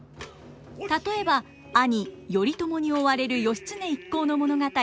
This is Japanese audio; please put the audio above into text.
例えば兄頼朝に追われる義経一行の物語